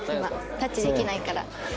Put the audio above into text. タッチできないから。